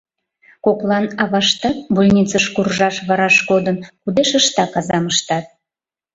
Коклан аваштат, больницыш куржаш вараш кодын, кудешыштак азам ыштат.